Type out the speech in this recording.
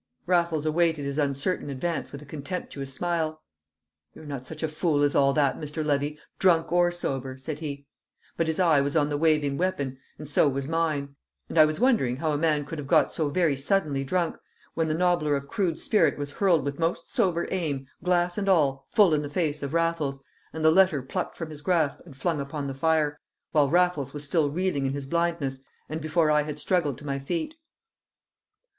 Raffles awaited his uncertain advance with a contemptuous smile. "You're not such a fool as all that, Mr. Levy, drunk or sober," said he; but his eye was on the waving weapon, and so was mine; and I was wondering how a man could have got so very suddenly drunk, when the nobbler of crude spirit was hurled with most sober aim, glass and all, full in the face of Raffles, and the letter plucked from his grasp and flung upon the fire, while Raffles was still reeling in his blindness, and before I had struggled to my feet.